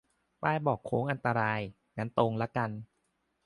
ป้ายบอกโค้งอันตราย งั้นตรงละกัน